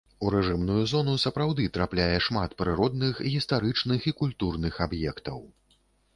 У рэжымную зону сапраўды трапляе шмат прыродных, гістарычных і культурных аб'ектаў.